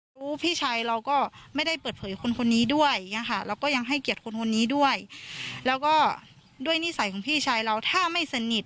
อยากจะให้คนนี้ให้ข้อมูลเพราะว่าเขาน่าจะสนิท